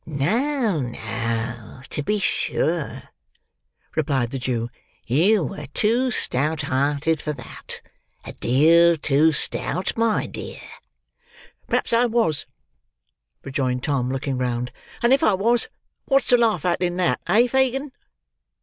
"No, no, to be sure," replied the Jew; "you were too stout hearted for that. A deal too stout, my dear!" "Perhaps I was," rejoined Tom, looking round; "and if I was, what's to laugh at, in that; eh, Fagin?"